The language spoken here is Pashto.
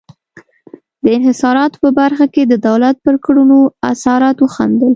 د انحصاراتو په برخه کې د دولت پر کړنو اثرات وښندل.